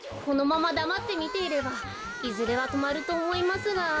このままだまってみていればいずれはとまるとおもいますが。